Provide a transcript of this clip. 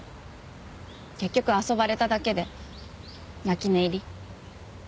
結局遊ばれただけで泣き寝入り。